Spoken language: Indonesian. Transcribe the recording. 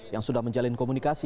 yang sudah menjalin komunikasi